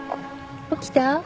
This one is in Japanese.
起きた？